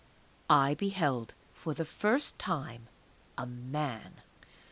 I beheld for the first time a Man.